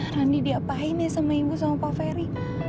randi diapain ya sama ibu sama pak ferry